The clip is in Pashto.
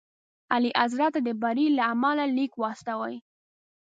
اعلیحضرت ته د بري له امله لیک واستوئ.